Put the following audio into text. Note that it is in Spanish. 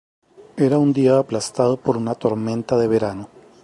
Era un día aplastado por una tormenta de verano.